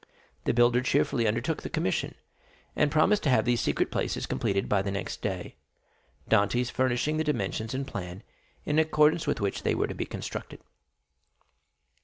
The builder cheerfully undertook the commission, and promised to have these secret places completed by the next day, Dantès furnishing the dimensions and plan in accordance with which they were to be constructed.